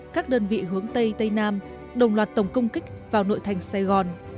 các đơn vị hướng tây tây nam đồng loạt tổng công kích vào nội thành sài gòn